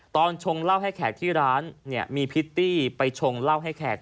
ชงเหล้าให้แขกที่ร้านเนี่ยมีพิตตี้ไปชงเหล้าให้แขก